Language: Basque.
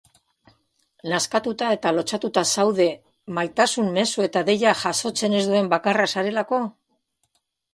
Nazkatuta eta lotsatuta zaude maitasun mezu eta deiak jasotzen ez duen bakarra zarelako?